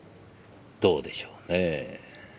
どうでしょうねぇ。